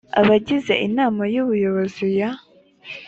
abagize inama y ubuyobozi ya